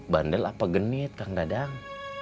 bandel apa genit kang dadang